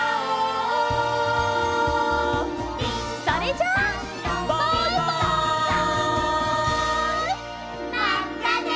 それじゃあ。